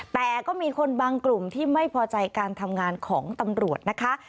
แต่ก็มีคนบางกลุ่มที่ไม่พอใจการทำงานของตำรวจนะคะ